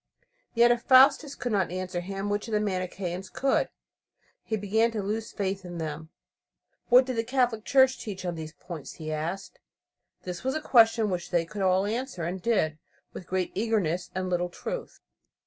Yet if Faustus could not answer him, which of the Manicheans could? He began to lose faith in them. What did the Catholic Church teach on these points? he asked. This was a question which they could all answer, and did with great eagerness and little truth.